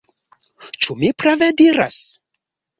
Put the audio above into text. Ĉu mi prave diras?